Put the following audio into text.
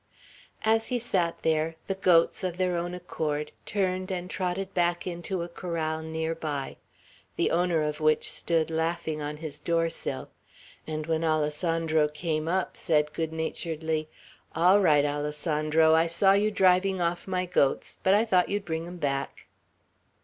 As he sat there, the goats, of their own accord, turned and trotted back into a corral near by, the owner of which stood, laughing, on his doorsill; and when Alessandro came up, said goodnaturedly, "All right, Alessandro! I saw you driving off my goats, but I thought you'd bring 'em back."